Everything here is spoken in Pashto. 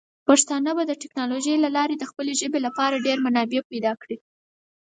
پښتانه به د ټیکنالوجۍ له لارې د خپلې ژبې لپاره ډیر منابع پیدا کړي.